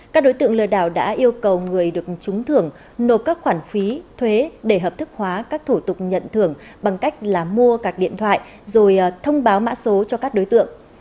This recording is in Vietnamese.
các đối tượng lừa đảo đã yêu cầu người được trúng thưởng nộp các khoản phí thuế để hợp thức hóa các thủ tục nhận thưởng bằng cách là mua các điện thoại rồi thông báo mã số cho các đối tượng